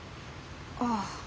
ああ。